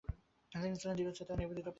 তিনি ছিলেন দৃঢ়চেতা ও নিবেদিতপ্রাণ।